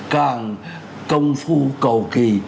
càng công phu cầu kỳ